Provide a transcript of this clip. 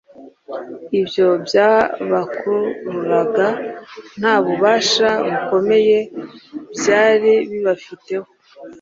ibyo byabakururaga nta bubasha bukomeye byari bibafiteho.